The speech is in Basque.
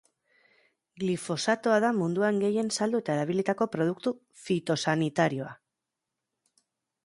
Glifosatoa da munduan gehien saldu eta erabilitako produktu fitosanitarioa.